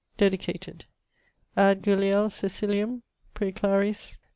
Dedicated 'Ad Guliel. Cecilium, praeclariss.